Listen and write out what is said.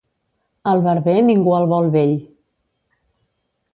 Al barber ningú el vol vell.